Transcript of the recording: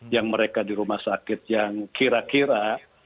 yang mereka di rumah sakit yang kira kira